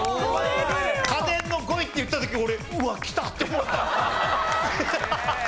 「家電の５位」って言った時俺うわっきた！って思ったもん。